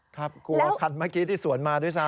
กลัวคันเมื่อกี้ที่สวนมาด้วยซ้